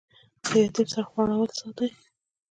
د یتیم سر غوړول څه دي؟